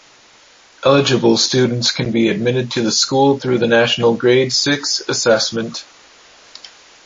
Eligible students can be admitted to the school through the National Grade Six Assessment.